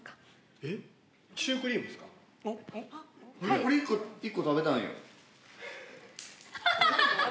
俺１個食べたんよ。